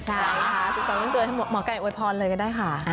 ใช่ค่ะสำหรับวันเกิดให้หมอไก่โอดพรเลยก็ได้ค่ะ